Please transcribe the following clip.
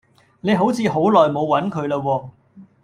你好似好耐冇揾佢啦喎